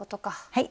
はい。